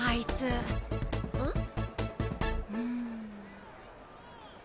うん。